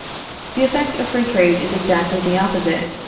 The effect of free trade is exactly the opposite.